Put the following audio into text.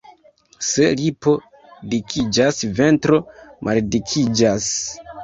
Se lipo dikiĝas, ventro maldikiĝas.